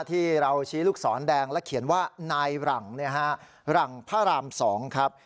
ที่เราชี้ลูกศรแดงและเขียนว่านายหลังหลังพระราม๒ครับ